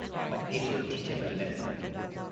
But this'll teach them a lesson.